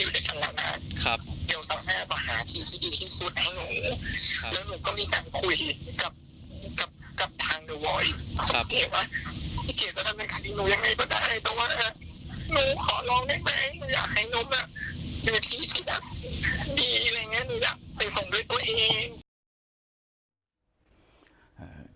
ดีที่ที่ดีอะไรอย่างนี้อยากไปส่งด้วยตัวเอง